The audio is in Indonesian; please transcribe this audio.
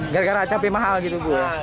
gara gara cabai mahal gitu bu